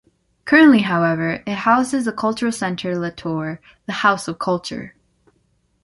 Currently, however, it houses the Cultural Center la Torre, the House of Culture.